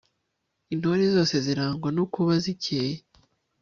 intore zose zirangwa no kuba zikeye